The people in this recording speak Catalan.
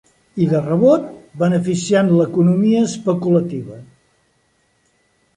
I de rebot beneficiant l’economia especulativa.